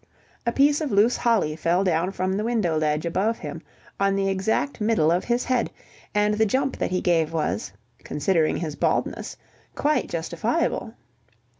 A piece of loose holly fell down from the window ledge above him on the exact middle of his head, and the jump that he gave was, considering his baldness, quite justifiable.